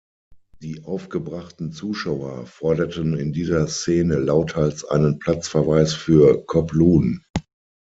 Die aufgebrachten Zuschauer forderten in dieser Szene lauthals einen Platzverweis für Kobluhn.